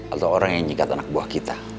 atau orang yang menyikat anak buah kita